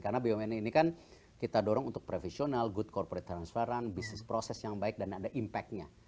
karena bumn ini kan kita dorong untuk professional good corporate transferan bisnis proses yang baik dan ada impactnya